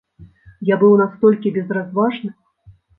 Я быў настолькі безразважны!